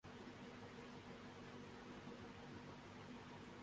بوندا باندی ہو یا بارش کا طوفان، دونوں کیفیت بدل دیتے ہیں